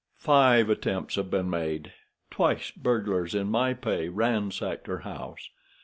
"Five attempts have been made. Twice burglars in my pay ransacked her house.